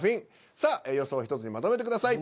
さあ予想を１つにまとめてください。